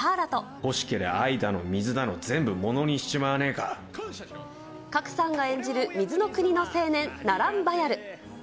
欲しけりゃ愛だの水だの全部賀来さんが演じる水の国の青年、ナランバヤル。